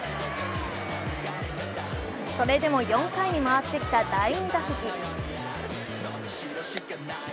それでも４回に回ってきた第２打席。